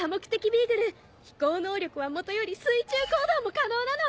ビーグル飛行能力はもとより水中行動も可能なの！